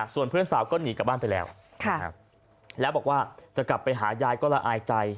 ส่วนเพื่อนสาวก็หนีกลับบ้านไปแล้วแล้วบอกว่าจะกลับไปหายายก็ละอายใจ